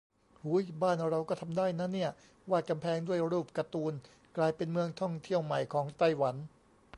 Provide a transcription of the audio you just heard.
หูย บ้านเราก็ทำได้นะเนี่ย วาดกำแพงด้วยรูปการ์ตูน กลายเป็นเมืองท่องเที่ยวใหม่ของไต้หวัน